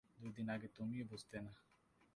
দু-দিন আগে তুমিও বুঝতে না।